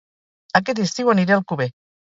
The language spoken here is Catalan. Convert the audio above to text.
Aquest estiu aniré a Alcover